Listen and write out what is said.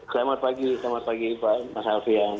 selamat pagi selamat pagi pak mas alfian